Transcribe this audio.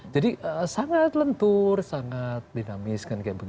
jadi sangat lentur sangat dinamis